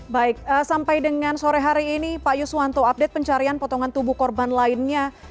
baik sampai dengan sore hari ini pak yuswanto update pencarian potongan tubuh korban lainnya